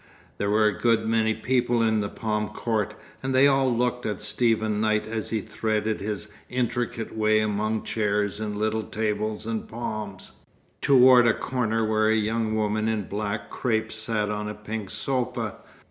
There were a good many people in the Palm Court, and they all looked at Stephen Knight as he threaded his intricate way among chairs and little tables and palms, toward a corner where a young woman in black crape sat on a pink sofa.